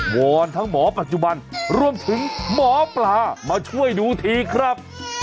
อนทั้งหมอปัจจุบันรวมถึงหมอปลามาช่วยดูทีครับ